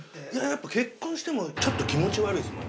◆やっぱ、結婚してもちょっと気持ち悪いですもん。